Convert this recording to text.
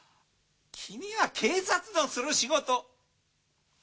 君は警察のする仕事。